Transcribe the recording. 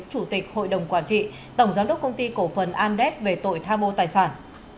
chủ tịch hội đồng quản trị tổng giám đốc công ty cổ phần andes về tội tham mô tài sản